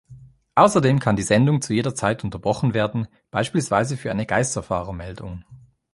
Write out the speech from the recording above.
Außerdem kann die Sendung zu jeder Zeit unterbrochen werden, beispielsweise für eine Geisterfahrer-Meldung.